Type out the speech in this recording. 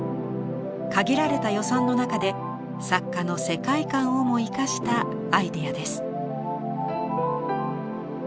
限られた予算の中で作家の世界観をも生かしたアイデアです。